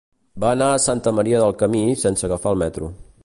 Va anar a Santa Maria del Camí sense agafar el metro.